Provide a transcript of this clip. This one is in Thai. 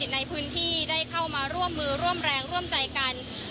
ในพื้นที่ได้เข้ามาร่วมมือร่วมแรงร่วมใจกัน